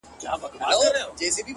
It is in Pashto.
ستا د مخ له اب سره ياري کوي _